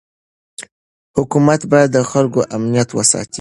حکومت باید د خلکو امنیت وساتي.